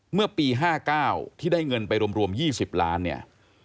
เมื่อปี๕๙ที่ได้เงินไปรวม๒๐ล้านเนี่ย